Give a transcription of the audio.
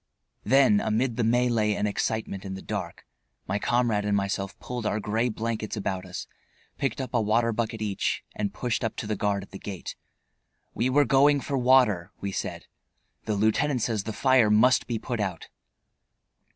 Then amid the mêlée and excitement in the dark my comrade and myself pulled our gray blankets about us, picked up a water bucket each, and pushed up to the guard at the gate. We were "going for water," we said. "The lieutenant says the fire must be put out."